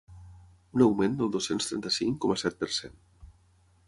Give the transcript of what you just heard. Un augment del dos-cents trenta-cinc coma set per cent.